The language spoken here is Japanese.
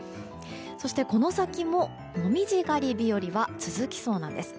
そしてこの先も、紅葉狩り日和が続きそうなんです。